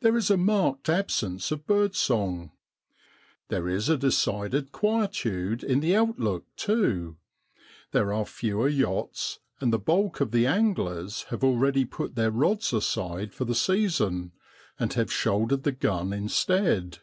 There is a marked absence of bird song. There is a decided quietude in the outlook, too ; there are fewer yachts, and the bulk of the anglers have already put their rods aside for the season, and have shouldered the gun instead.